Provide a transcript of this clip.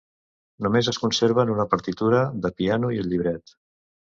Només es conserven una partitura de piano i el llibret.